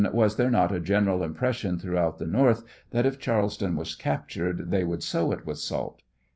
Was there not a general impression throughout the North that if Charleston was captured they would sow it with salt?